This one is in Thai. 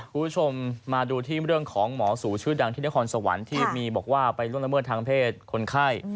คุณผู้ชมมาดูเรื่องของหมอสูงชื่อดังที่มีความที่บอกว่ามีร่วมละเมิดทางเผ็ดคนไข้